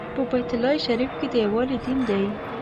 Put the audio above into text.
په بیت الله شریف کې د یووالي دین دی.